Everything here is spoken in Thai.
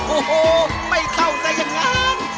โอ้โหไม่เท่านั้น